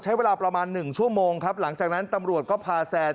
ใช้เวลาประมาณ๑ชั่วโมงครับหลังจากนั้นตำรวจก็พาแซน